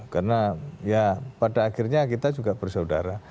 karena ya pada akhirnya kita juga bersaudara